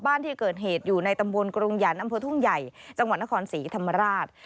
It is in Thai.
บ้านที่เกิดเหตุอยู่ในตำบลกรุงหยันต์อำเภอทุ่งใหญ่จังหวัดนครศรีธรรมราช